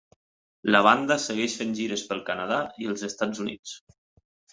La banda segueix fent gires pel Canadà i els Estats Units.